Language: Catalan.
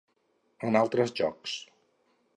En altres jocs: